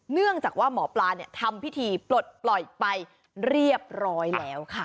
เนื่องจากว่าหมอปลาทำพิธีปลดปล่อยไปเรียบร้อยแล้วค่ะ